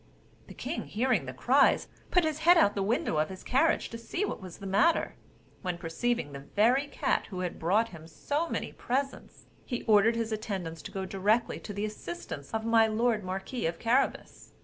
The king hearing the cries, put his head out at the window of his carriage to see what was the matter: when, perceiving the very cat who had brought him so many presents, he ordered his attendants to go directly to the assistance of my lord marquis of Carabas.